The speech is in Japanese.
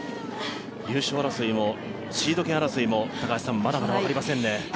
優勝争いもシード権争いもまだまだ分かりませんね。